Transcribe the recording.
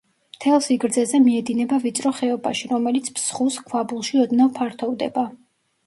მთელ სიგრძეზე მიედინება ვიწრო ხეობაში, რომელიც ფსხუს ქვაბულში ოდნავ ფართოვდება.